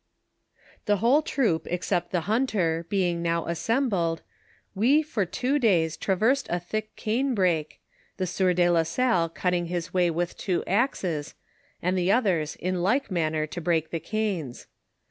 The whole troop except the hunter being now assembled, we for two days traversed a thick cane brake, the sieur de la Salle cutting his way with two axes, and the others in like manner to break the canes.